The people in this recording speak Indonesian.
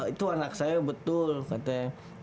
itu anak saya betul katanya